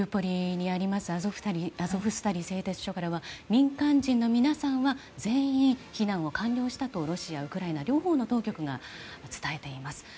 アゾフスタリ製鉄所から民間人の皆さんが全員、避難を完了したとロシア、ウクライナ両方の当局が伝えています。